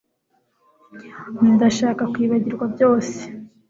Ndashaka kwibagirwa byose